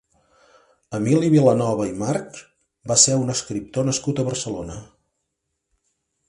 Emili Vilanova i March va ser un escriptor nascut a Barcelona.